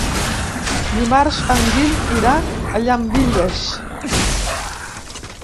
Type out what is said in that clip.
Dimarts en Guim irà a Llambilles.